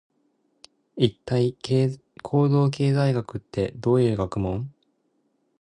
一体、行動経済学ってどういう学問？